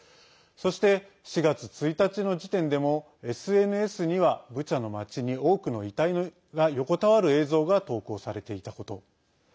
そして、４月１日の時点でもＳＮＳにはブチャの町に多くの遺体が横たわる映像が投稿されていたこと。